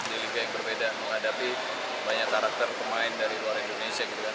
di liga yang berbeda menghadapi banyak karakter pemain dari luar indonesia gitu kan